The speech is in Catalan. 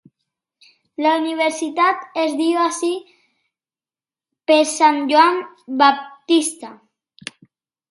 La universitat es diu així per Sant Joan Baptista.